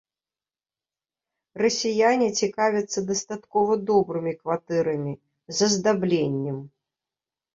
Расіяне цікавяцца дастаткова добрымі кватэрамі, з аздабленнем.